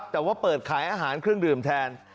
แต่ว่าเปิดขายอาหารเครื่องดื่มแทน